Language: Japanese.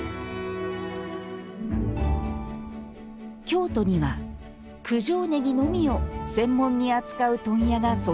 京都には、九条ねぎのみを専門に扱う問屋が存在します。